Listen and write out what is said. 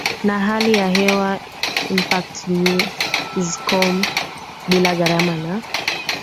na Hali ya hewaImpactNews com bila gharama na